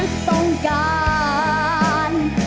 ไม่ต้องการ